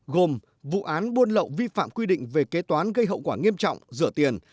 gồm vụ án buôn lậu vi phạm quy định về kế toán gây hậu quả nghiêm trọng rửa tiền